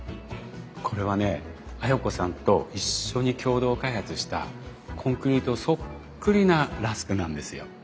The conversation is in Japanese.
これはね綾子さんと一緒に共同開発したコンクリートそっくりなラスクなんですよ。